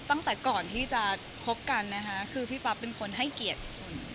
ตั้งแต่ก่อนที่จะคบกันนะคะคือพี่ปั๊บเป็นคนให้เกียรติคน